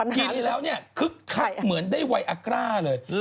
กินแล้วเนี่ยคึกคักเหมือนได้ไวอากร้าเลย